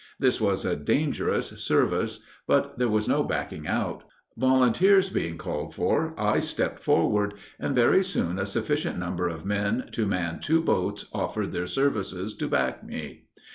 This was a dangerous service; but there was no backing out. Volunteers being called for, I stepped forward; and very soon, a sufficient number of men to man two boats offered their services to back me.